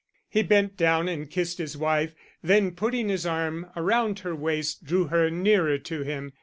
He bent down and kissed his wife, then putting his arm around her waist drew her nearer to him.